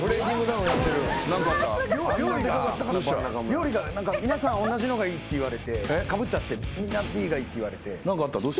料理が皆さんおんなじのがいいって言われてかぶっちゃってみんなＢがいいって言われて。